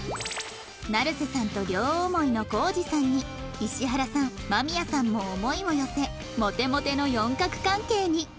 成瀬さんと両思いのコージさんに石原さん間宮さんも思いを寄せモテモテの四角関係に